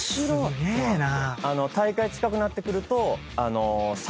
すげえな。